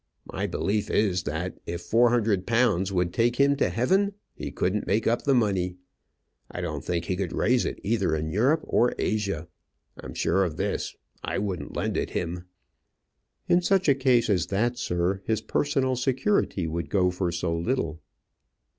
My belief is, that if four hundred pounds would take him to heaven, he couldn't make up the money. I don't think he could raise it either in Europe or Asia. I'm sure of this; I wouldn't lend it him." "In such a case as that, sir, his personal security would go for so little."